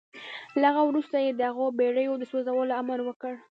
له هغه وروسته يې د هغو بېړيو د سوځولو امر وکړ.